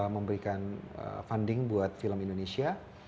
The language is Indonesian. memberikan funding buat film indonesia